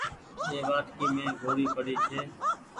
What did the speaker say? اي وآٽڪي مين ڳوڙي پري ڇي۔